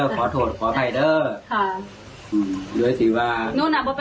ค่ะโดยสิว่า